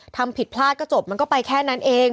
ทำผิดพลาดก็จบมันก็ไปแค่นั้นเอง